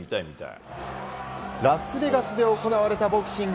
ラスベガスで行われたボクシング。